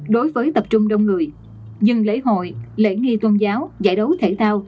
đối với tập trung đông người dừng lễ hội lễ nghi tôn giáo giải đấu thể thao